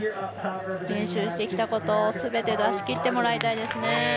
練習してきたことをすべて出し切ってもらいたいです。